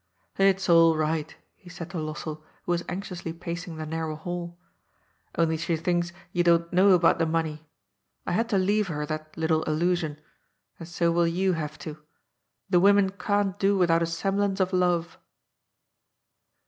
^' It's all right," he said to Lossell, who was anxiously pacing the narrow hall. '* Only she thinks you don't know about the money. I had to leave her that little illusion. And so will you have to. The women can't do without a semblance of love."